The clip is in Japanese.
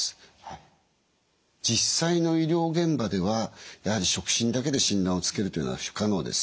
実際の医療現場ではやはり触診だけで診断をつけるというのは不可能です。